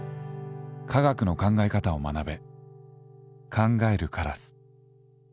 科学の考え方を学べ。